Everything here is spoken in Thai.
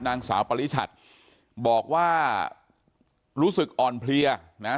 นางสาวปริชัดบอกว่ารู้สึกอ่อนเพลียนะ